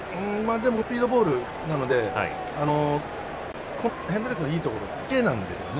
スピードボールなのでこのヘンドリクスのいいところってキレなんですよね。